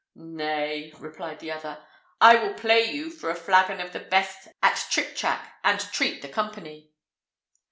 "Nay," replied the other, "I will play you for a flagon of the best at trictrac, and treat the company."